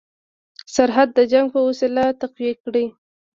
سرحد د جنګ په وسیله تقویه کړي.